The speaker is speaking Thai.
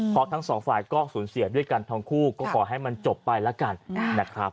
เพราะทั้งสองฝ่ายก็สูญเสียด้วยกันทั้งคู่ก็ขอให้มันจบไปแล้วกันนะครับ